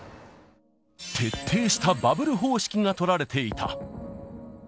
徹底したバブル方式が取られていた。